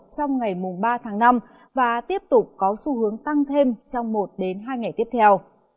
trong ngày ba tháng năm và tiếp tục có xu hướng tăng thêm trong một hai ngày tiếp theo